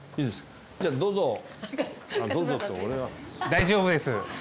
大丈夫です。